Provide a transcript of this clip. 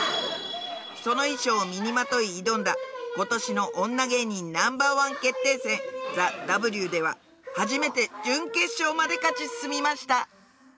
その衣装を身にまとい挑んだ今年の女芸人 Ｎｏ．１ 決定戦 ＴＨＥＷ では初めて準決勝まで勝ち進みました